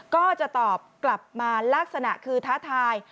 ก็จะตอบกลับมาลักษณะคือท้าทาย